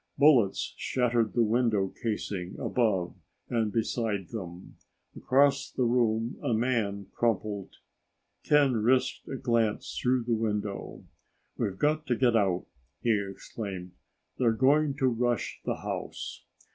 Bullets shattered the window casing above and beside them. Across the room a man crumpled. Ken risked a glance through the window. "We've got to get out!" he exclaimed. "They're going to rush the house!"